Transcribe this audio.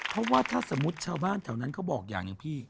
เพราะถ้าสมมติชาวบ้านแถวนั้นเขาบอกอย่างนึง